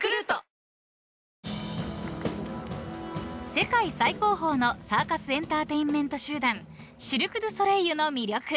［世界最高峰のサーカスエンターテインメント集団シルク・ドゥ・ソレイユの魅力］